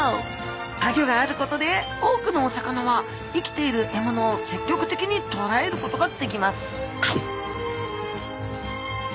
アギョがあることで多くのお魚は生きている獲物を積極的にとらえることができます